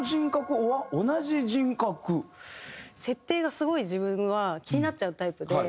設定がすごい自分は気になっちゃうタイプで。